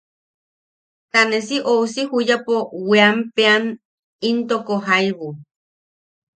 Ta ne si ousi juyapo weanpeʼean intoko jaibu.